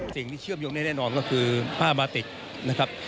สิ่งที่เชื่อมยกแน่นอนก็คือผ้าบาติกนะครับ